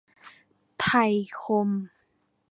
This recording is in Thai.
ไทยคม